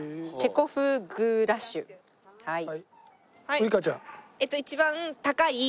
ウイカちゃん。